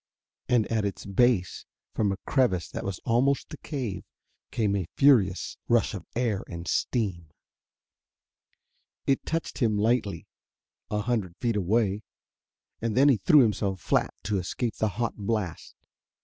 And at its base, from a crevice that was almost a cave, came a furious rush of air and steam. It touched him lightly a hundred feet away, and he threw himself flat to escape the hot blast.